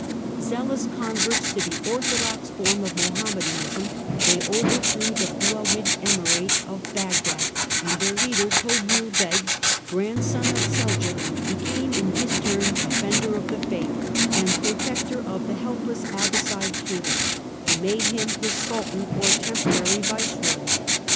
Zealous converts to the orthodox form of Mohammedanism, they overthrew the Buhawid Emirate of Bagdad, and their leader, Toghrul Beg, grandson of Seljuk, became in his turn " defender of the faith " and protector of the helpless Abbasside Caliph, who made him his " Sultan," or temporal viceroy.